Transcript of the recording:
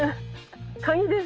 カニです。